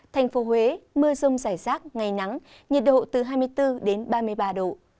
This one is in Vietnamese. thành phố huế mưa rông rải rác ngày nắng nhiệt độ từ hai mươi bốn đến ba mươi ba độ